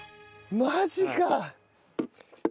マジか！